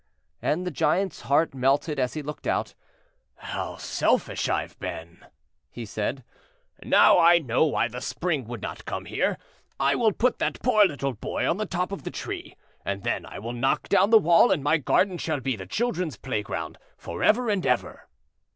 And the Giant's heart melted as he looked out. "How selfish I have been!" he said; "now I know why the Spring would not come here. I will put that poor little boy on the top of the tree, and then I will knock down the wall, and my garden shall be the children's playground for ever and ever."